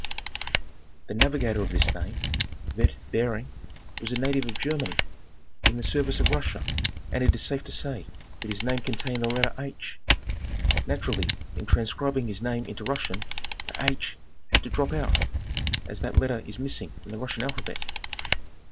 'The navi gator of this name, Veit Behring, was a native of Germany, in the service of Russia, and it is safe to say that his name con tained the letter 4. Naturally, in transcribing his name into Russian, the 4 had to drop out, as that letter is missing in the Russian alphabet.